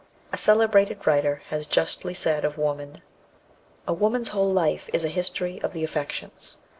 A celebrated writer has justly said of woman, "A woman's whole life is a history of the affections.